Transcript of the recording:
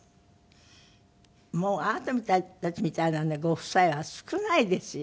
もうあなたたちみたいなねご夫妻は少ないですよ。